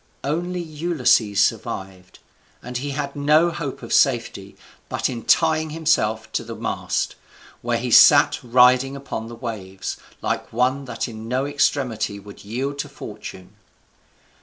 Only Ulysses survived; and he had no hope of safety but in tying himself to the mast, where he sat riding upon the waves, like one that in no extremity would yield to fortune.